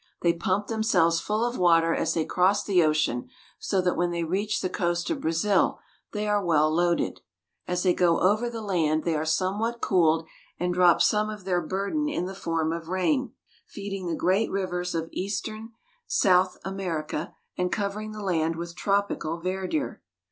They pump themselves full of water as they cross the ocean, so that when they reach the coast of Brazil they are well loaded. As they go over the land they are somewhat cooled, and drop some of their burden in the form of rain, feeding the great rivers of eastern South America, and covering the land with tropical verdure.